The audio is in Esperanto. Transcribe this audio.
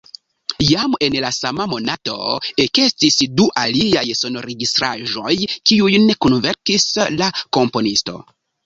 Jam en la sama monato ekestis du aliaj sonregistraĵoj, kiujn kunverkis la komponisto.